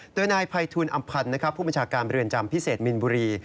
โดยนายภัยทูลอำพันธ์ผู้บัญชาการเรือนจำพิเศษมินบุรี